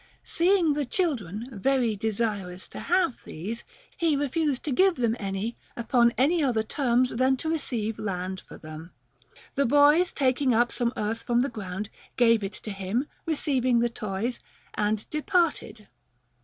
Seeing the children very desirous to have these, he refused to give them any upon any other terms than to receive land for them. The boys, taking up some earth from the ground, gave it to him, receiving the toys, and departed.